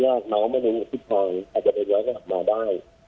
เราไม่คิดเลยว่าพอถึงทางนี้น้องไม่รู้ว่าจะเดินย้อนกลับมาได้